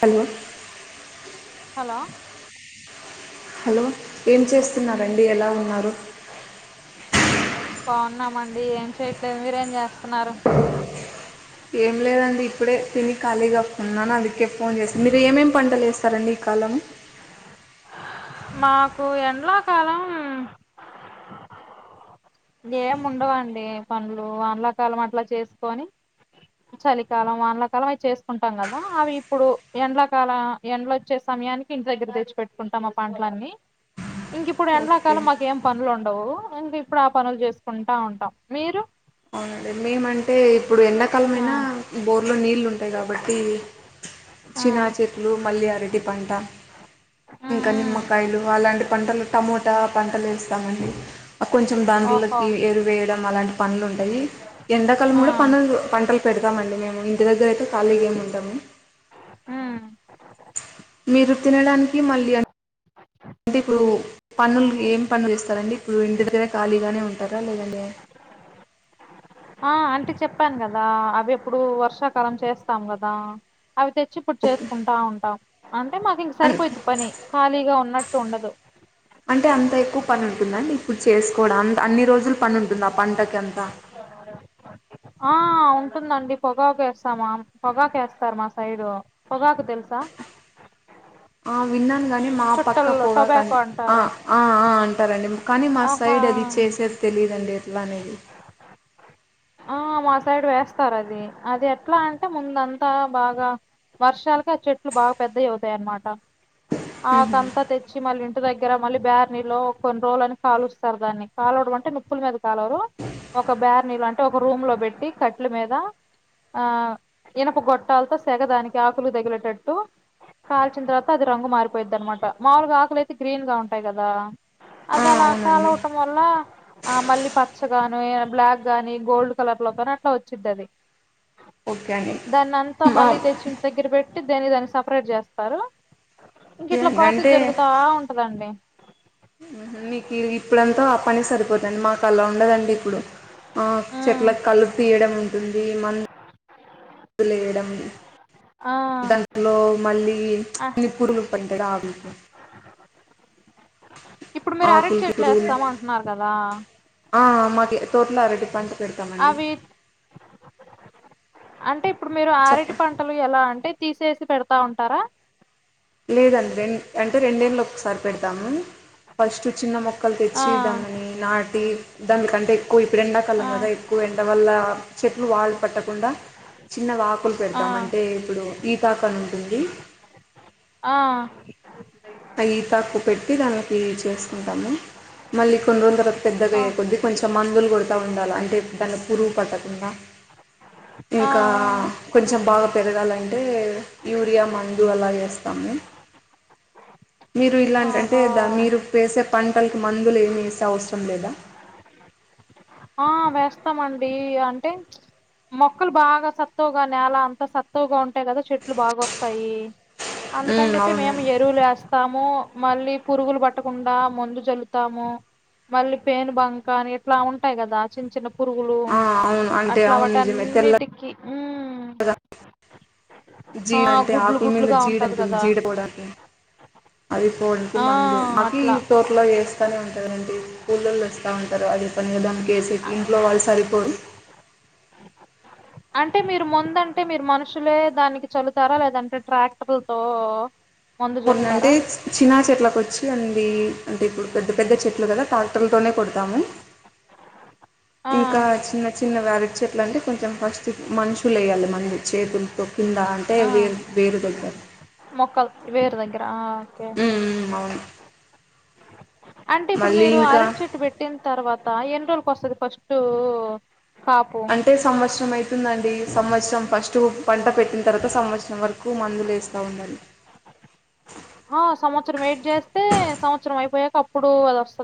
Hello hello hello ఏం చేస్తున్నరండి ఎలా ఉన్నారు బాగున్నామండి ఏం చేయట్లేదు మీరేఏం చేస్తున్నారు ఏం లేదండి ఇప్పుడే తిని ఖాళీగాఉన్నాను అందుకే ఫోన్ చేస మీరు ఏమేం పంటలు ఏ స్తారండి ఈ కాలం మాకు ఏండ్లకాలం ఏం ఉండవండి పనులు వానకాలం అట్లా చేసుకొని చలికాలం వంలకాలం అవి చేసుకుంటాం కదా అవి ఇప్పుడు ఎండాకాలం ఏండ్లు వచ్చే సమయానికి ఇంటి దగ్గర తెచ్చిపెట్టుకుంటాం అప్పుడు టలన్నీ ఇంకీ ఇప్పుడు ఓకే ఎండాకాలం మాకు ఏం పనులు ఉండ హలో ఇంక ఇప్పుడు ఆ పనులు చేసుకుంటా ఉంటాం మీరు అవునండి మేము అంటే ఇప్పుడు ఎండాకాలం ఆ అయినా బోర్లో నీళ్లు ఉంటాయి కాబట్టి ఆ చినాచెట్లు మల్లి అరటి పంట ఉ ఉమ్ ఇంకా ఉ నిమ్మకాయలు అలాంటి పంటలు టమోటా పంటలు వేస్తామండి కొంచెం ఓహో దాంలకి ఎరువేయడం అలాంటి పన్ ఉమ్ ఎండాకాలం ఆ కూడా పంటలు పంటలు పెడతామండి మేము ఇంటి దగ్గర అయ్ ఖాళీ గేమ్ ఉండము ఉమ్ మీరు తినడానికి మళ్ళీ అంటే ఇప్పుడు పన్లు ఏం పనులు చేస్తారండి ఇప్పుడు ఇంటి దగ్గర ఖాళీగానే ఉంటారా లేదంటె ఆ అంటె చెప్పాను కదా అవి ఇ ప్పుడు వర్షాకాలం చేస్తాం కదా అవి తెచ్చి ఇప్పుడు ఓకే చేసుకుంటా ఉంటాం అంటే మాకు ఇంక అన్ సరిపోయిద్ది పని ఖాళీగా ఉన్నట్టు ఉండదు చేసుకోవడన్ త్ అన్ని రోజులు పని ఉంటుంద ఆ పంటకి అంత ఆ ఉంటుందండి పొగావేస్తాము పొగాకు వేస్తారు మా సైడు పొగాకు తెలుసా ఆ విన్నాను గాని మా పక్క చుట్టల్లో పొగాక్ కానీ టొబాకో ఆ అంటారు ఆ ఆ అంటారండి కానీ మా ఆహా సైడ్ అది చేసేది తెలియదుఅండి ఎట్లా అనేద్ అ ఆ మా సైడ్ వేస్తారు అది అది ఎట్లా అంటే ముందంతా బాగా వర్షాలకి ఆ చెట్లు బాగా పెద్దయ్ అవుతాయి అనమాట మ్మ్. ఆకంతా తెచ్చి మళ్ళీ ఇంటి దగ్గర మళ్ళీ బేార్ నీళ్ళు కొన్ని రోజులని కాలుస్తారు దాన్ని కాలవడం అంటే నిప్పుల మీద కాలరు ఒక బ్యార్ నీళ్ళు అంటే ఒక రూమ్ లో పెట్టి కట్ల మీద ఆ ఇనప గొట్టాలతో సెగదానికి ఆకులు దిగిరటట్టు కాల్చిన తర్వాత అది రంగు మారిపోయిది అనమాట మాములుగా ఆకులు అయితే గ్రీన్ గా ఉంటాయి కదా ఆ అది అలా అవునండి కాలువటం వల్ల ఆ మళ్ళీ పచ్చగాని బ్లాక్ గానీ గోల్డ్ కలర్ లోతోని అట్లా వచ్చిది అది ఓకే అండి దానంత మా- మళ తెెచ్చి ఇంటిదగ్గర పే అంటే దేనికి దానిని సపరేట్ చేస్తారు ఇంక ఇట్లా ఏంటంటే ప్రాసెస్ జరుగుతా ఉంటదండి మీకు ఇప్పుడంతా ఆ పని సరిపోతు ది మకాల ఉండదండి ఇప్పుడు ఆ ఉమ్ చెట్ల కళ్ళు తీయడం ఉంటుంది మ లేయడం ఆ దాట్లో మళ్ళీ ఆ కొన్ని పరులు పంటాడు ఆవికి ఇప్పుడు మీరు అరెట్ ఆకులకి చెట్లు పురుగులు వేస్తామ అంటున్నారు కదా ఆ మాకు తోటలో అరటి పంట పెడతామండి అవి అంటే ఇప్పుడు మీరు ఆరిటి చెప్పండి పంటలు ఎలా అంటే తీసే పెడతా ఉంటారా లేదండి రెం అంటే రెండేళ్ళ ఒకసారి పెడతాము ఫస్ట్ చిన్న మొక్క మక్కలు ఆ తెచ్చి దాన్నని నాటి దానికంటే ఎక్కువ ఇప్పుడు ఎండాకాల ఆ కదా ఎక్కువ ఎండ వల్ల చె వాళ్ళ పట్టకుండా చిన్న వాకు లు ఆ పెడతాం అంటే ఇప్పుడు ఈ బాకా ఉంటుంది ఆ అవి తక్కు పెట్టి దాకి చేసుకుంటాము మళ్ళీ కొన్నిరోజుల తర్వాత ఆ పెద్దగాయే కొద్ది కొంచెం కొంచెం మందులు కొడతూ ఉండాలి అంటే దాన్ని పురుగు పట్టకుండా ఆ ఆ ఇంకా కొంచెం బాగా పెరగాలంటే యూరియా మందు అలా వేస్తాము మీరు ఇలాంటింటే ఆహా మీరు పంటలకు మందులు ఏమి వేసే అవసరం లేదా ఆ వేస్తామండి అంటే మొక్కలు బాగా సత్వుగా నేల అంతా సత్వుగా ఉంటాయి కదా చెట్లు బాగా వస్తాయి అందుకని ఉమ్ చెప్పి అవును మేము ఎరువులు వస్తాము మళ్ళీ పురుగులు పట్టకుండా మందు చల్లుతాము మళ్ళీ పేన్ బంకా అని ఇట్లా ఉ యి కదా చిన్న చిన్న పురుగులు ఆ అవును అంటే అట్లా అవును వాటి నిజమే తెల్లగా అన్నిటికిీ ఆ జీడ అంటే గుడ్లు ఆకుల మీద గుడ్లుగా జీడ ఉంటది అంటుంది కదా జీడపోడానికి అది పోవడానికి ఆ మందు మాకి ఈ అట్లా తోర్లో వేస్తానే ఉంటందిండి కూళ్ళల్లో వస్తా ఉంటారు అది పని దానికినికెసే కీ ఇంట్లో వాళ్ళు సరిపోరు అంటే మీరు ముందంటే మీరు మనుషులే దానికి చల్లుతారా లేదంటే ట్రాక్టర్లతో మందు పొన్నంటే జల్లుతారా చినా చెట్లకు వచ్చి అంది అంటే ఇప్పుడు పెద్ద పెద్ద చెట్లు కదా ట్రాక్టర్లతోనే కొడతాము ఆ ఇంకా చిన్న చిన్నగా అరటి చెట్ల అంటే కొంచెం ఫస్ట్ మనుషులు వేయాల మందు చేతులతో కింద అంటే ఆ వేరు వేరుతొత్త మొక్కలు వేరు దగ్గర ఆ ఓకే అంటే ఇప్పుడు మళ్ళీ మీరు ఇంకా అరటి చెట్టు పెట్టిన తర్వాత ఎన్నో రోజుల్ కోస్తది ఫస్టు అంటే సంవత్సరం అయ్తుందండి సంవత్సరం ఫస్టు పంట పెట్టిన తర్వాత సంవత్సరం వరకు మందులు వేస్తా ఉండాలి. ఆ సంవత్సరం వెయిట్ చేస్తే సంవత్సరం అయిపోయాక అప్పుడు అది వస్త్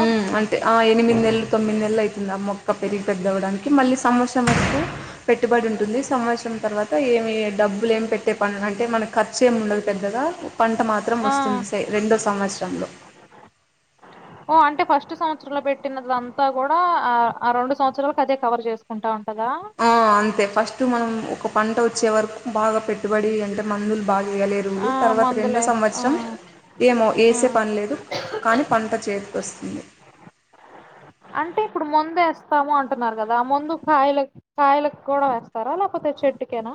ఉ అంటే ఆ ఎనిమిది నెలలు తొమ్మిది నెలలైతుంది ఆ మొక్క పెరిగి పెద్దవ్వడానికి, మళ్ళీ సంవత్సరం వరకు పెట్టుబడి ఉంటుంది. సంవత్సరం తర్వాత ఏమి డబ్బులు ఏమి పెట్టే పన్ అంటే మనకు ఖర్చేమి ఉండదు పెద్దగా పంట మాత్రం ఆ వస్తుంది సె రెండో సంవత్సరంలో. ఓ అంటే ఫస్ట్ సంవత్సరంలో పెట్టినదంతా కూడా ఆ ఆ రెండు సంవత్సరాలకు అదే కవర్ చేసుకుంటా ఉంటదా ఆ అంతే ఫస్ట్ మనం ఒక పంట వచ్చే వరకు బాగా పెట్ పెట్టుబడి అంటే మందులు బాగా వేయలేరుములు ఆ తర్వాత రెండో మందులేస్ ఆ సంవత్సరం ఏమో ఆ వేసే పని లేదు కానీ పంట చేతికి వస్తుంది. మొందు వేస్తాము అంటున్నారు కదా మందు కాయల కాయలకు కూడా వేస్తారా లేకపోతే చెట్టుకేనా.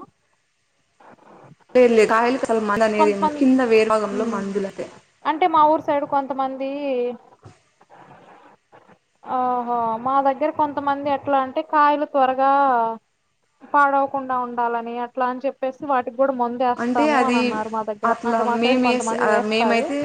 లేదులే కాయకి కాద్ మందు అనేది కొంతమంది కింద వేరు భాగంలో ఉమ్ మందులకి తీ ఆహా మా దగ్గర కొంతమంది ఎట్లా అంటే కాయలు త్వరగా పాడవకుండా ఉండాలని అట్లా అని చెప్ పెసుమ ఇ కూడా అంటే మందేస్తాము అని అది అన్నారు మా దగ్గర అట్లా అంటే మా సైడ్ మేము వేసే కొంతమంది వేస్తారు. మేమైతే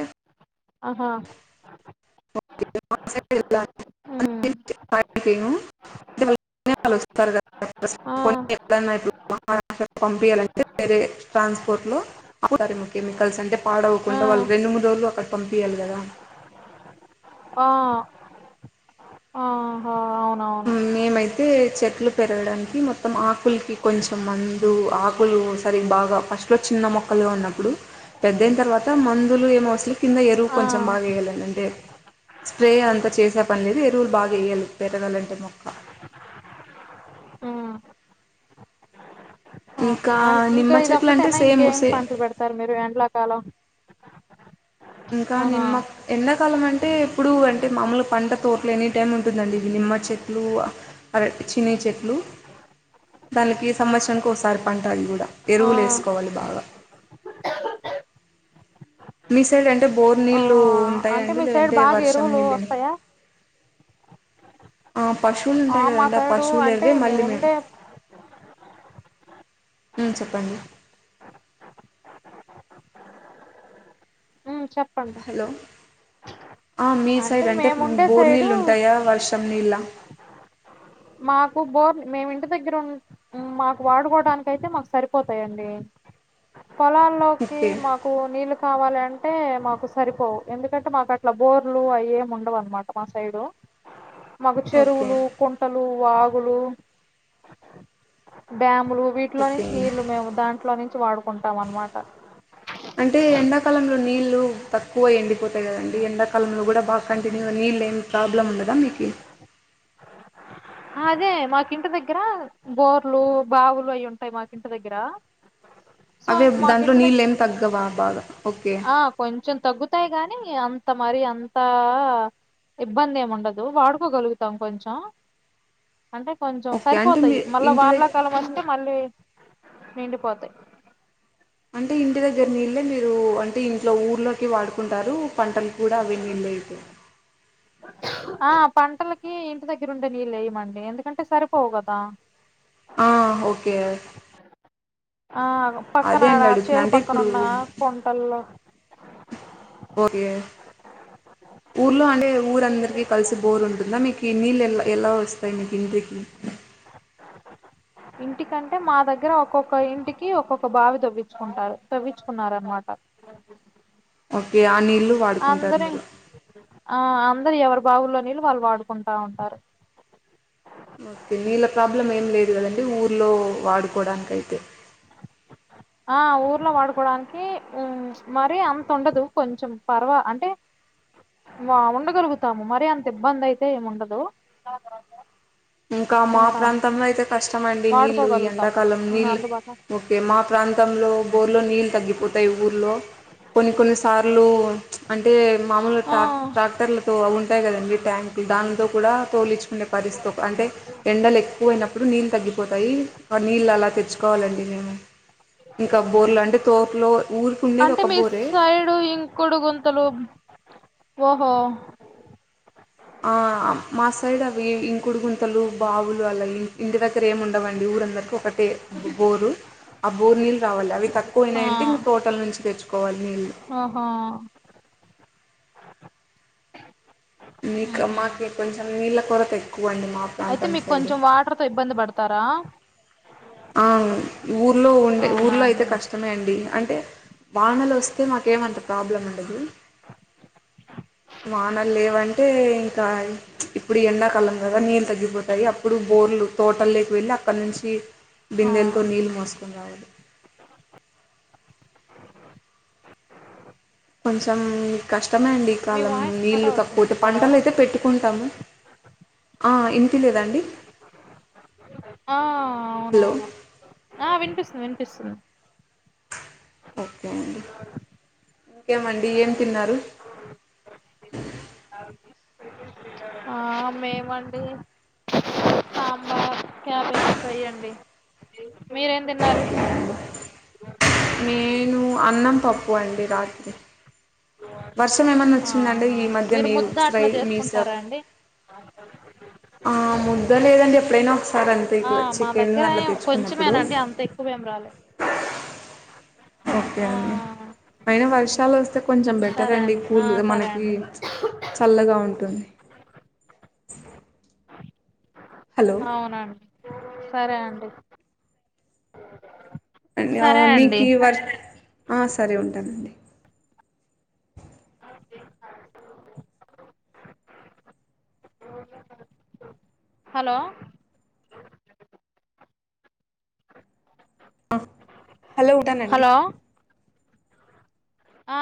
ఆహా ే ఉమ్ కదాడు మ ఆ [unintelligible] పంపియాలంటే వేరే ట్రాన్స్పోర్ట్ లో అప్పుడు కలిపేది కెమికల్స్ అంటే ఆ పాడవ్వకుండా వాళ్ళు రెండు మూడు రోజులు అక్కడ పంపియాలి కదా. ఆ ఆహా ఉ అవునవును మేమైతే చెట్లు పెరగడానికి మొత్తం ఆకులికి కొంచెం మందు ఆకులు సరిగ్ బాగా ఫస్ట్లో చిన్న మొక్కలుగా ఉన్నప్పుడు, పెద్దయిన తర్వాత మందులు ఏమో అసలు కింద ఎరువు ఆ కొంచెం బాగాయేల అంటే స్ప్రే అంతా చేసే పని లేదు ఎ తూల్ బాగా ఎయలి పెత్తరలన్ టే మొక్క ఆ ఆహో ఇంకా అన్ నిమ్మ ఇంకా చెట్లు అంటే ఇదిొక్కటైనా సేమ్ ఇంకేం సే పంటలు పెడతారు మీరు ఎండ్లా కాలం ఇంకా నిమ్మ ఎండాకాలం అంటే ఇప్పుడు అంటే మామూలు పంట తోట్లు ఎనీ టైము ఉంటుందండి, ఇవి నిమ్మ చెట్లు అరట్ చినీ చెట్లు దానికి సంవత్సరానికి ఒకసారి పంట అది కూడా. ఆ ఎరువులు వేస్కోవాలి బాగా మీ సైడ్ అంటే బోర్ ఆ నీళ్లు అంటే మీ సైడ్ బాగా ఎరువులు వస్తాయా. ఆ పశువులు ఉంటాయి మా కదండి ఆ సైడు అంటే పశువులువే మళ్ళీ మేము ఉండే ఉం చెప్పండి. ఉం హలో ఆ మీ సైడ్ అంటే మేముండే బోర్ సైడు నీళ్ళు ఉంటాయా వర్షం నీలు మాకు బోర్ మేమి ఇంటి దగ్గర మాకు వాడుకోవడానికి అయితే మాకు సరిపోతాయండి. పొలాల్లోకి ఓకే మాకు నీళ్లు కావాలి అంటే మాకు సరిపోవు ఎందుకంటే మాకు అట్లా బోర్లు అవి ఏమి ఉండవు. అన్నమాట మా సైడు మాకు ఓకే చెరువులు వాగులు, డ్యాములు. వీటిలో నుంచి ఓకే నీళ్లు మేము దాంట్లో నుంచి వాడుకుంటాం అనమాట. అంటే ఎండాకాలంలో నీళ్లు తక్కువ ఎండిపోతాయి. కదండి ఎండాకాలంలో కూడా బాగా కంటిన్యూ నీళ్లు ఏమి ప్రాబ్లం ఉండదా మీకి. అదే మాకింటి దగ్గర బోర్లు బావులు అవి ఉంటాయి మాకింటి దగ్గర సో అవే ఇంక మాకు దాంట్లో ఇంటి దగ్గ నీళ్లు ఏమి తగ్గవా బాగా ఓకే తాయి గాని అంత మరి అంత ఇబ్బంది ఏమి ఉండదు. వాడుకోగలుగుతాం కొంచెం అంటే కొంచెం ఓకే అంటే మీ సరిపోతాయి. మళ్ళా ఇంటి వానల దగ్గర కాలం వస్తే మళ్ళీ నిండి పోతాయి. అంటే ఇంటి దగ్గర నీళ్ళే మీరు అంటే ఇంట్లో ఊర్లోకి వాడుకుంటారు. పంటలు కూడా అవే నీళ్ళే అయితాయి. ఆ పంటలకి ఇంటి దగ్గర ఉండే నీళ్ళు వేయమండి ఎందుకంటే సరిపోవు కదా. ఆ ఓకే ఆ అదే అండి పక్కనడా అడుగుతున్నా చేలు అంటే ఇప్పుడు పక్కనున్న గుంటల్లో. ఓకే ఊరందరికి కలిసి బోర్ ఉంటుందా. మీకు నీళ్ళు ఎలా వస్తాయి మీకు ఇంటికి ఇంటికంటే మా దగ్గర ఒక్కొక్క ఇంటికి ఒక్కొక్క బావి తవ్విచ్చుకున్నారు. తవ్విచుకున్నారన్నమాట ఓకే అ నీల్లు వాడుకుంటారు మీరు ఆ అందరు ఎవరు బావుల్లో నీళ్ళు వాళ్ళు వాడుకుంటా ఉంటారు. ఓకే నీళ్ళ ప్రాబ్లం ఏం లేదు కదండి. ఊర్లో వాడుకోడానికి అయితే ఆ ఊర్లో వాడుకోవడానికి మరి అంత ఉండదు. కొంచెం పర్వ అంటే ఉండగలుగుతాము మరి అంత ఇబ్బంది అయితే ఏమి ఉండదు. ఇంకా మా ఉంటాం ప్రాంతంలో అయితే కష్టంమండి. నీళ్లు ఈ వాడుకోగలుగుతాం ఎండాకాలం ఉమ్, నీళ్ళు అందుబాటు ఓకే మా ప్రాంతంలో బోర్లో నీళ్ళు తగ్గిపో పొతయ్ ఊర్లో కొన్ని కొన్ని స సార్లు అంటే మామూల్ ఆ టా టాక్టర్లతో అవుంటయ్ కదండి ట్యాంకుల్ దాంతో కూడా తోలిచ్చుకునే పరిస్ అంటే ఎండలు ఎక్కువ అయినప్పుడు నీళ్ళు తగ్గిపోతాయి. అ నీళ్ళు అలా తెచ్చుకోవాలండి మేము, ఇంకా బోర్లు అంటే తోపులో ఊరికి ఉండేది ఒక బోరే కుడు గుంతలు ఓహో ఆ మా సైడ్ అవి ఇంకుడు గుంతలు బావులు అలయి ఇంటి దగ్గర ఏమి ఉండవండి ఊరందరికి ఒక తె బొ బోరు అబొర్నిల్ రావాలె అవి ఆ తక్కువయినాయంటే ఇం తోటల్ నుంచి తెచ్చుకోవాలి నీళ్ళు ఓహో మీకు మ్హూ. మాకి కొంచెం నీళ్ళ కొరతెక్ అయితే మీకు కొంచెం వాటర్ తో ఇబ్బంది పడతారా. ఆ ఊర్లో ఉండే అవునా ఊర్లో అయితే అండి కష్టమే అండి అంటే వానలు వస్తే మాకేమంత ప్రాబ్లం ఉండదు. వానలు లేవంటే ఇంకా ప్చ్ ఇప్పుడు ఎండాకాలం కదా నీళ్ళు తగ్గిపోతాయి, అప్పుడు బోర్లు తోటల్లేకి వెళ్ళి అక్కన్నించి ఆ బిందెలతో నీళ్ళు మోస్కొని రావాలి. కొంచెం కష్ ట్టమే అండి ఈ మీ కాలం వాయిస్ కట్ నీళ్ళు తక్కువుతె అవుతుంది హలో పంటలు అయితే పెట్టుకుంటాము. ఆ ఇనిపిలేదండి. ఆ అవునవును ఆ వినిపిస్సుంది వినిపిస్సుంన్ ఓకే అండి ఇంకేమండి ఏం తిన్నారు. ఆ మేమండి సాంబార్ క్యాపేస్ ఫ్రై అండి, మీరేం తిన్నారు. ము అన్నం పప్పు అండి రాత్రి వర్షం ఏమన్నా వచ్చిందండి, ఆహా ఈ మధ్య మీరు మీయు ముద్ద శ్రై అట్లా చేసుకుంటారా మీసప్ అండి ఆ ముద్ద లేదండి ఎప్పుడైనా ఒ ఆ మా దగ్గర ఎవ్ కొంచమేనండి, అంత ఎక్కువేమ్ రాలే ఓకే ఆ అండి అయన వర్షాలు వస్ తే కొంచెం బెటర్ సరే అండి ఆ కూల్ సరే మనకి, అండి చల్లగా ఉంటుంది. హలో అవున సరే అండి అ న్య సరే అండి మీకి వర్ ఆ సరే ఉంటానండి. హలో ఆ హలో ఉంటనండి. హలో ఆ